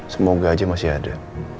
semoga aja masih ada